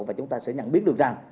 và chúng ta sẽ nhận biết được rằng